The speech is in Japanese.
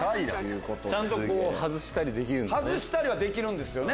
ちゃんと外したりできるんだね。